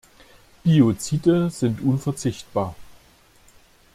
Biozide sind unverzichtbar.